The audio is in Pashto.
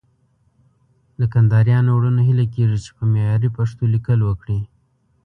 له کندهاريانو وروڼو هيله کېږي چې په معياري پښتو ليکل وکړي.